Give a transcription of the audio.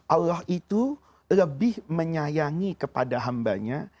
allah itu lebih menyayangi kepada hambanya